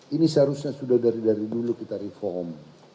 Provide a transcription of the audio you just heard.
ini seharusnya sudah dari dulu kita reform